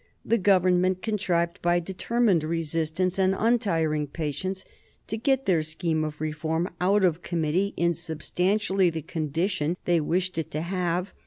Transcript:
The Government contrived by determined resistance and untiring patience to get their scheme of reform out of committee in substantially the condition they wished it to have.